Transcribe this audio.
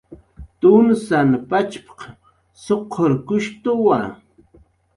"Tunsan pachp""q suqurkushtuwa"